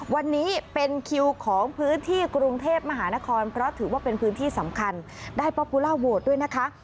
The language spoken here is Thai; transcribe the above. วันนี้เป็นคิวของพื้นที่กรุงเทพมหานครเพราะถือว่าเป็นพื้นที่สำคัญได้ป๊อปภูล่าโหวตด้วยนะคะ